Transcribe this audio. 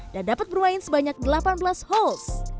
dan menyalahkan sebanyak delapan belas hal